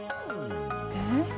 えっ？